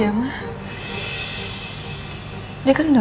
ada mitra miskin di ant mona